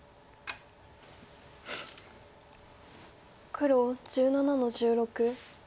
黒１７の十六。